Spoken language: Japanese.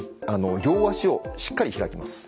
両足をしっかり開きます。